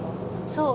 そう。